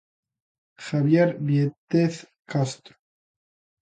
Javier Vieitez Castro.